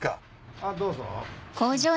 あっどうぞ。